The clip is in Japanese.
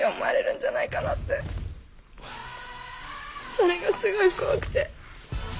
それがすごい怖くて。